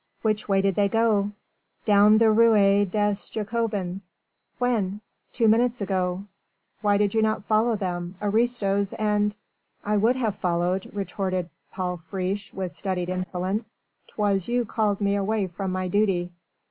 "Which way did they go?" "Down the Ruelle des Jacobins." "When?" "Two minutes ago." "Why did you not follow them?... Aristos and...." "I would have followed," retorted Paul Friche with studied insolence; "'twas you called me away from my duty."